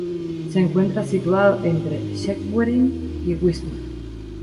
Se encuentra situado entre Schwerin y Wismar.